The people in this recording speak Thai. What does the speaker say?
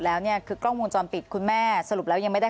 แล้วเนี่ยคือกล้องวงจรปิดคุณแม่สรุปแล้วยังไม่ได้